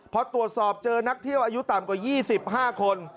พอตรวจสอบเจอนักเที่ยวอายุต่ำกว่า๒๕คน